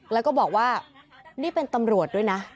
แล้วก็บอกว่านี่เป็นตำรวจด้วยนะ